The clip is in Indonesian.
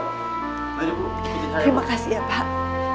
terima kasih ya pak